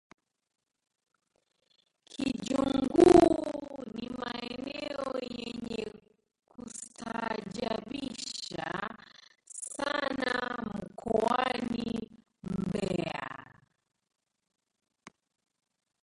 kijunguu ni maeneo yenye kustaajabisha sana mkoani mbeya